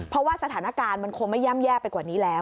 เพราะว่าสถานการณ์มันคงไม่ย่ำแย่ไปกว่านี้แล้ว